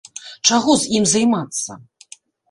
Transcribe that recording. Чаго з ім займацца.